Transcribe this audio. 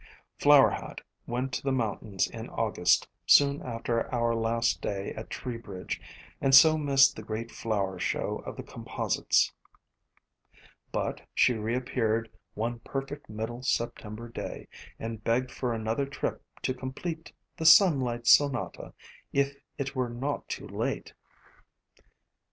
Flower Hat went to the mountains in August soon after our last day at Tree bridge, and so missed the great flower show of the composites. But she reappeared one perfect middle September day, and begged for another trip to complete the Sunlight Sonata, if it were not too late.